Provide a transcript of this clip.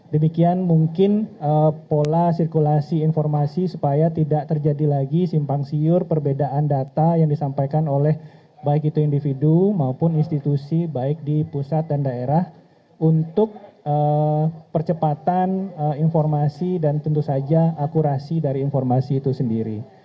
demikian mungkin pola sirkulasi informasi supaya tidak terjadi lagi simpang siur perbedaan data yang disampaikan oleh baik itu individu maupun institusi baik di pusat dan daerah untuk percepatan informasi dan tentu saja akurasi dari informasi itu sendiri